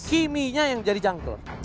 kimmy nya yang jadi jungler